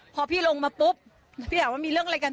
พอพี่ลงมาปุ๊บพี่ถามว่ามีเรื่องอะไรกัน